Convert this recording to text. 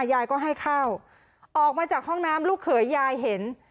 ยายก็ให้เข้าออกมาจากห้องน้ำลูกเขยยายเห็น